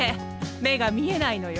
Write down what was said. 目が見えないのよ。